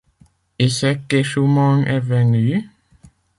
Et cet échouement est venu ?…